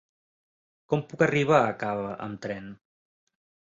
Com puc arribar a Cava amb tren?